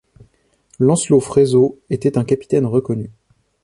Lancelot Frezeau était un capitaine reconnu.